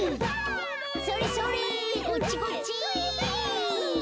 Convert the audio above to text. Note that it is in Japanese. それそれこっちこっち。